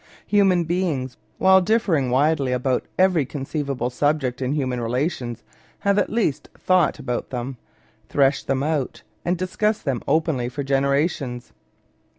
Human beings, while differing widely about every conceivable subject in such human relations, have at least thought about them, threshed them out, and discussed them openly for generations.